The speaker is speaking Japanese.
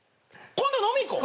今度飲みに行こう。